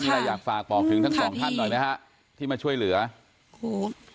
มีอะไรอยากฝากบอกถึงทั้งสองท่านหน่อยไหมฮะที่มาช่วยเหลือโอ้โห